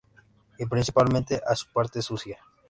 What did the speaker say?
Y principalmente a su parte sucia".